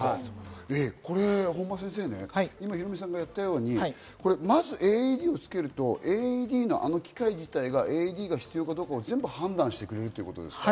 本間先生、今ヒロミさんがやったように、まずＡＥＤをつけると、ＡＥＤの機械自体がＡＥＤが必要かどうかを判断してくれるんですか？